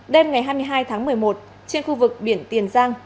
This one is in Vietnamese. đêm ngày hai mươi hai tháng một mươi một trên khu vực biển tiền giang